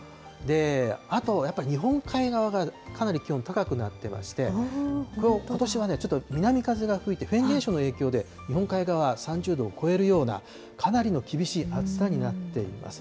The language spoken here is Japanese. あとやっぱり日本海側がかなり気温高くなってまして、ことしはちょっと南風が吹いてフェーン現象の影響で日本海側、３０度を超えるようなかなりの厳しい暑さになっています。